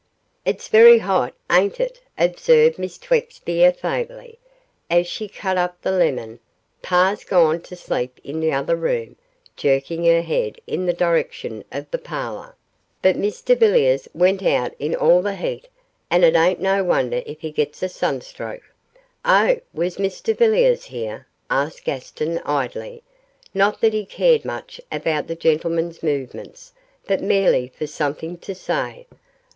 'It's very hot, ain't it,' observed Miss Twexby, affably, as she cut up the lemon; 'par's gone to sleep in the other room,' jerking her head in the direction of the parlour, 'but Mr Villiers went out in all the heat, and it ain't no wonder if he gets a sunstroke.' 'Oh, was Mr Villiers here?' asked Gaston, idly, not that he cared much about that gentleman's movements, but merely for something to say.